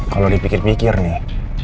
kalau dipikir pikir nih